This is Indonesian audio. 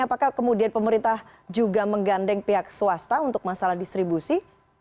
apakah kemudian pemerintah juga menggandeng pihak swasta untuk masalah distribusi